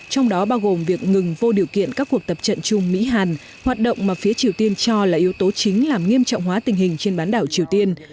trong đó bao gồm việc ngừng vô điều kiện các cuộc tập trận chung mỹ hàn hoạt động mà phía triều tiên cho là yếu tố chính làm nghiêm trọng hóa tình hình trên bán đảo triều tiên